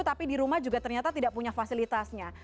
tapi di rumah juga ternyata tidak punya fasilitasnya